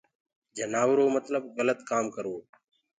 جنآورو متلب گلت ڪآم ڪروو